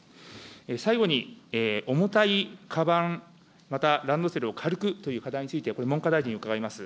最後に重たいかばん、またランドセルを軽くという課題について、これ、文科大臣に伺います。